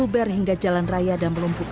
sekini berapa pak